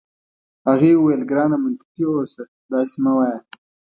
هغې وویل: ګرانه منطقي اوسه، داسي مه وایه.